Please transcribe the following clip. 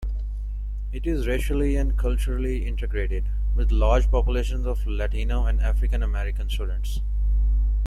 It is racially and culturally integrated, with large populations of Latino and African-American students.